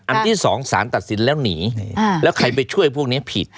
ที่สองสารตัดสินแล้วหนีแล้วใครไปช่วยพวกนี้ผิด